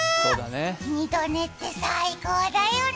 ２度寝って最高だよね。